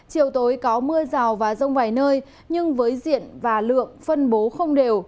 chiều tối có mưa rào và rông vài nơi nhưng với diện và lượng phân bố không đều